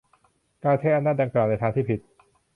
การใช้อำนาจดังกล่าวในทางที่ผิด